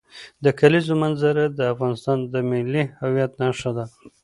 د کلیزو منظره د افغانستان د ملي هویت نښه ده.